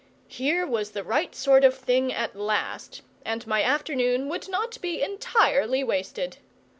Here was the right sort of thing at last, and my afternoon would not be entirely wasted.